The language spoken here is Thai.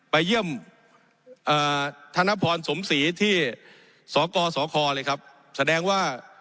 ไปเยี่ยมธนพรสมศรีที่สกสคเลยครับแสดงว่า